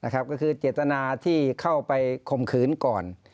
ก็คือเจตนาที่เข้าไปข่มขืนก่อน